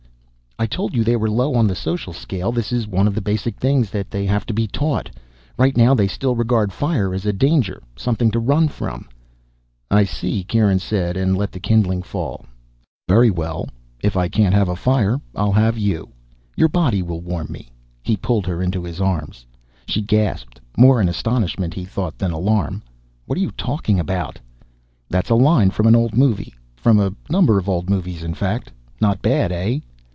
"I told you they were low on the social scale. This is one of the basic things they have to be taught. Right now they still regard fire as a danger, something to run from." "I see," Kieran said, and let the kindling fall. "Very well, if I can't have a fire, I'll have you. Your body will warm me." He pulled her into his arms. She gasped, more in astonishment, he thought, than alarm. "What are you talking about?" "That's a line from an old movie. From a number of old movies, in fact. Not bad, eh?"